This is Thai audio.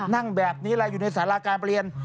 นั่งแบบนี้อะไรอยู่ในสาราการประเรียน